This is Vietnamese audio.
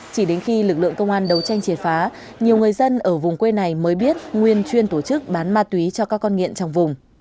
chỉ đến khi lực lượng công an đấu tranh triệt phá nhiều người dân ở vùng quê này mới biết nguyên chuyên tổ chức bán ma túy cho các con nghiện trong vùng